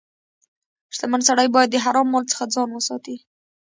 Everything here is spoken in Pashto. • شتمن سړی باید د حرام مال څخه ځان وساتي.